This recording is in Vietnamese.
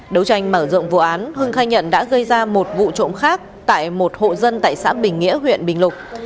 đấu tranh mở rộng vụ án hưng khai nhận đã gây ra một vụ trộm khác tại một hộ dân tại xã bình nghĩa huyện bình lục